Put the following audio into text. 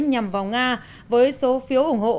nhằm vào nga với số phiếu ủng hộ